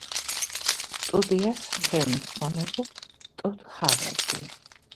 სტუდიას ხელმძღვანელობს ტოდ ჰაუარდი.